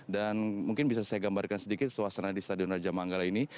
dan mungkin bisa saya gambarkan sedikit suasana di stadion raja manggala ini